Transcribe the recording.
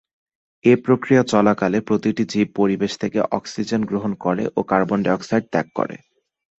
এ প্রক্রিয়া চলাকালে প্রতিটি জীব পরিবেশ থেকে অক্সিজেন গ্রহণ করে ও কার্বন ডাই অক্সাইড ত্যাগ করে।